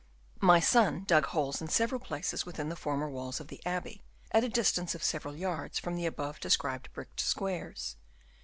My son dug holes in several places within the former walls of the abbey, at a distance of several yards from the above described bricked squares.